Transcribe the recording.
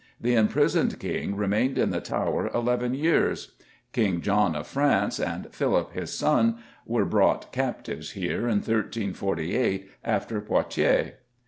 The imprisoned King remained in the Tower eleven years. King John of France, and Philip, his son, were brought captives here in 1358 after Poitiers.